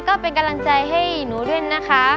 ก็เป็นกำลังใจให้หนูด้วยนะคะ